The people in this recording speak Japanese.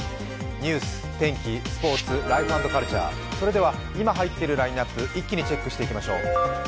ニュース、天気、スポーツ、ライフ＆カルチャー、それでは今入っているランナップ、一気にチェックしていきましょう。